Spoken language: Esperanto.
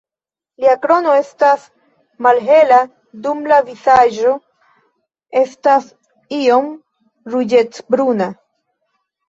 Lia krono estas malhela dum la vizaĝo estas iom ruĝecbruna.